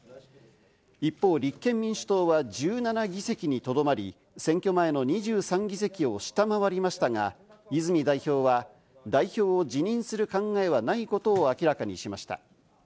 一方、立憲民主党は１７議席にとどまり、選挙前の２３議席を下回りましたが、泉代表は代表を辞任する考えはないことを明らかにしました。